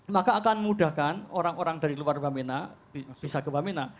maka akan mudahkan orang orang dari luar wamena bisa ke wamena